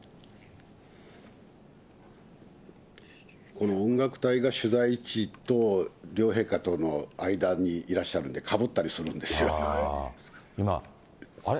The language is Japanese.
この音楽隊が取材地と両陛下との間にいらっしゃるんで、かぶあれ？